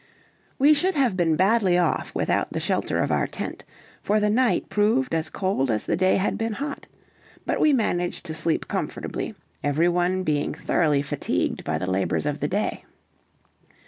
We should have been badly off without the shelter of our tent, for the night proved as cold as the day had been hot, but we managed to sleep comfortably, every one being thoroughly fatigued by the labors of the day.